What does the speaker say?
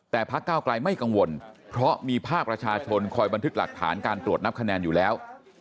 แต่พักเก้าไกลไม่กังวลเพราะมีภาคประชาชนคอยบันทึกหลักฐานการตรวจนับคะแนนอยู่แล้ว